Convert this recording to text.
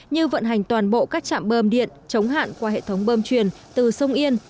như vận hành toàn bộ các trạm bơm điện chống hạn qua hệ thống bơm truyền từ sông yên